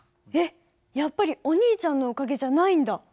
えっやっぱりお兄ちゃんのおかげじゃないんだ。